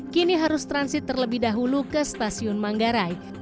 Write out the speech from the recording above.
kini harus transit terlebih dahulu ke stasiun manggarai